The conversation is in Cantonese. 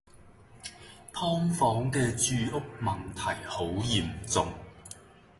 劏房嘅住屋問題好嚴重